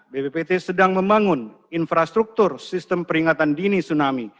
bppt sedang membangun infrastruktur sistem peringatan dini tsunami